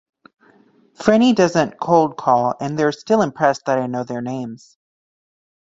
Franny doesn’t cold call and they’re still impressed that I know their names.